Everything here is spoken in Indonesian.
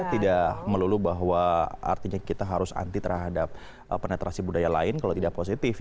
tidak melulu bahwa artinya kita harus anti terhadap penetrasi budaya lain kalau tidak positif